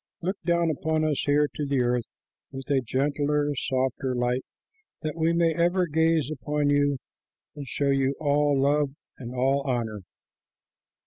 Look down upon us here on the earth with a gentler, softer light, that we may ever gaze upon you and show you all love and all honor."